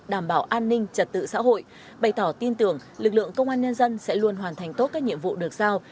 đảm bảo an ninh trật tự xã hội bày tỏ tin tưởng lực lượng công an nhân dân sẽ luôn hoàn thành tốt các nhiệm vụ được giao